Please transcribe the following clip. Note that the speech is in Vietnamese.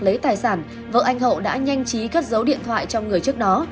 với tài sản vợ anh hậu đã nhanh chí cất dấu điện thoại cho người trước đó